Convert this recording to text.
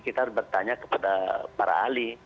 kita harus bertanya kepada para ahli